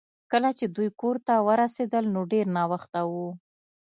کله چې دوی کور ته ورسیدل نو ډیر ناوخته و